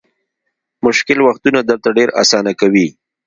مشکل وختونه درته ډېر اسانه کوي.